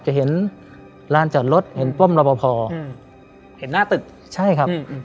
จะเห็นร้านจอดรถเห็นป้อมระพออืมเห็นหน้าตึกใช่ครับอืมอืม